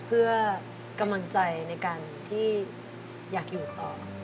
เพื่อกำลังใจในการที่อยากอยู่ต่อ